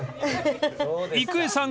［郁恵さん